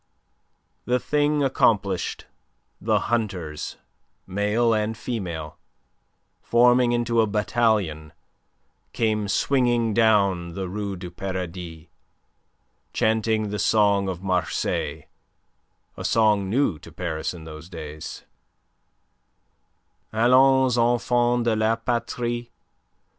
The thing accomplished, the hunters, male and female, forming into a battalion, came swinging down the Rue du Paradis, chanting the song of Marseilles a song new to Paris in those days: Allons, enfants de la patrie!